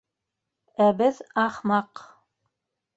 Ә беҙ — ахмаҡ!